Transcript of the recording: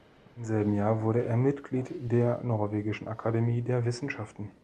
Im selben Jahr wurde er Mitglied der Norwegischen Akademie der Wissenschaften.